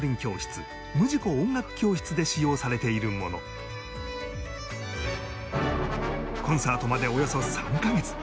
実はこれコンサートまでおよそ３カ月